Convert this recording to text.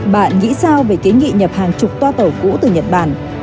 bạn nghĩ sao về kiến nghị nhập hàng chục toa tàu cũ từ nhật bản